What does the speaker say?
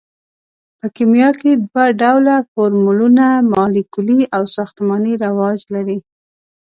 په کیمیا کې دوه ډوله فورمولونه مالیکولي او ساختماني رواج لري.